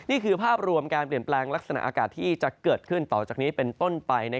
นี้คือภาพรวมการเปลี่ยนแปลงลักษณะอากาศที่จะเกิดเป็นต้นไป